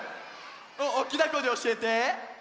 おっきなこえでおしえて！